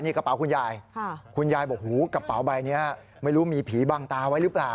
นี่กระเป๋าคุณยายคุณยายบอกหูกระเป๋าใบนี้ไม่รู้มีผีบังตาไว้หรือเปล่า